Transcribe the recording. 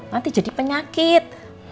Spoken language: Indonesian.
nanti jadi penyakit